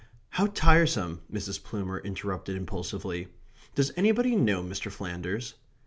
"How tiresome," Mrs. Plumer interrupted impulsively. "Does anybody know Mr. Flanders?"